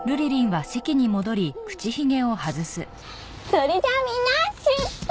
それじゃあみんな出発！